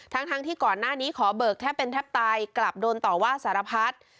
ทั้งที่ก่อนหน้านี้ขอเบิกแทบเป็นแทบตายกลับโดนต่อว่าสารพัฒน์